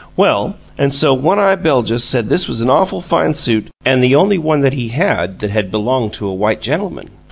Well, an' so One eye Beljus said this was an awful fine suit an' the only one he had that had b'longed to a white gentleman.